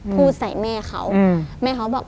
พูดใส่แม่เขาแม่เขาบอก